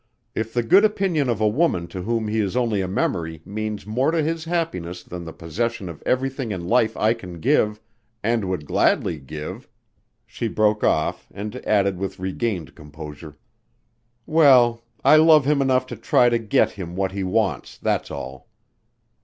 If the good opinion of a woman to whom he is only a memory means more to his happiness than the possession of everything in life I can give and would gladly give " She broke off and added with regained composure, "Well, I love him enough to try to get him what he wants, that's all."